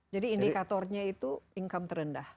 jadi indikatornya itu income terendah